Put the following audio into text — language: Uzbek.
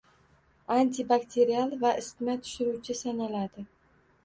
Antibakterial va isitma tushiruvchi sanaladi.